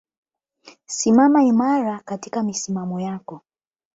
Simama imara katika misimamo yako.